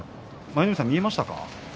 舞の海さん、見えましたか。